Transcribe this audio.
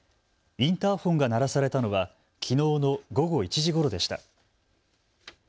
インターフォンが鳴らされたのはきのうの午後１時ごろでした。